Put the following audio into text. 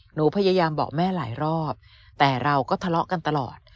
หนูพยายามบอกแม่หลายรอบแต่เราก็ทะเลาะกันตลอด